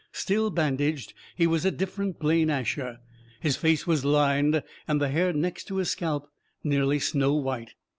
Still bandaged, he was a different Blaine Asher. His face was lined, and the hair next to his scalp nearly snow white.